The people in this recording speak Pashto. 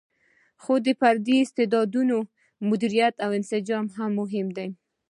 خو د فردي استعدادونو مدیریت او انسجام هم مهم دی.